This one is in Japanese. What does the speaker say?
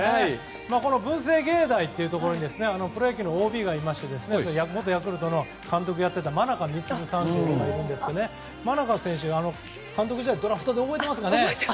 文星芸大というところにはプロ野球のＯＢがいまして元ヤクルトの監督をやっていた真中満さんなんですが真中選手、監督時代ドラフトで覚えてますかね。